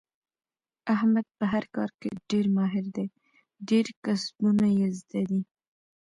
احمد په هر کار کې ډېر ماهر دی. ډېر کسبونه یې زده دي.